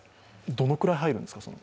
どのくらい入るんですか？